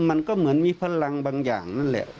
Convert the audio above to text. มันก็เหมือนมีพลังบางอย่างนั่นแหละ